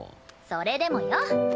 それでもよ！